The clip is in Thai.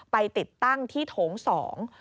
ไปติดตั้งที่โถงสอง